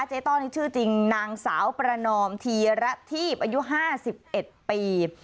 ต้อนี่ชื่อจริงนางสาวประนอมธีระทีพอายุ๕๑ปี